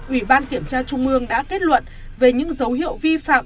ủy ban kiểm tra trung ương đã kết luận về những dấu hiệu vi phạm